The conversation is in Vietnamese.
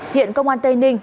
hiện công an tây ninh